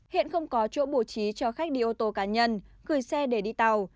hiện không có chỗ bố trí cho khách đi ô tô cá nhân gửi xe để đi tàu